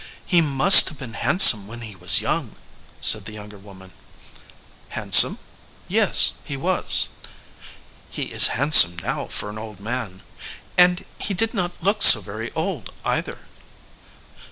"He must have been handsome when he was young," said the younger woman. "Handsome? Yes, he was." "He is handsome now for an old man and he did not look so very old, either."